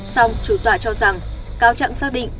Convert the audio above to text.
xong chủ tọa cho rằng cáo chẳng xác định